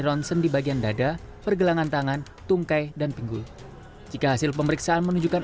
ronsen di bagian dada pergelangan tangan tungkai dan pinggul jika hasil pemeriksaan menunjukkan